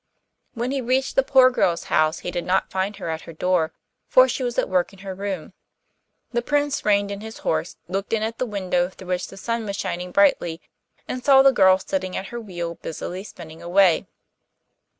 When he reached the poor girl's house he did not find her at her door, for she was at work in her room. The Prince reined in his horse, looked in at the window through which the sun was shining brightly, and saw the girl sitting at her wheel busily spinning away.